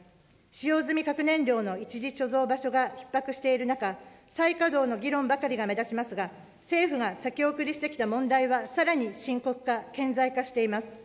使用済み核燃料の一時貯蔵場所がひっ迫している中、再稼働の議論ばかりが目立ちますが、政府が先送りしてきた問題はさらに深刻化、顕在化しています。